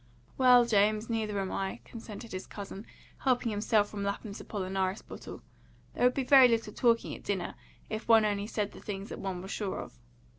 "Well, James, neither am I," consented his cousin, helping himself from Lapham's Apollinaris bottle. "There would be very little talking at dinner if one only said the things that one was sure of."